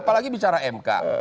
apalagi bicara mk